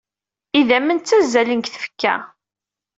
Idammen ttazzalen deg tfekka.